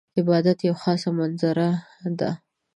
عبادت یوه خاضه منظره ده .